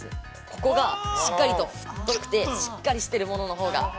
ここがしっかりと太くて、しっかりしているもののほうが。